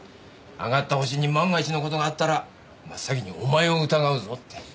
挙がったホシに万が一の事があったら真っ先にお前を疑うぞって。